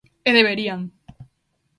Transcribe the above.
E deberían.